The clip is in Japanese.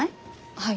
はい。